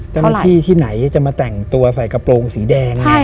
เจ้าหน้าที่ที่ไหนจะมาแต่งตัวใส่กระโปรงสีแดงเนี่ย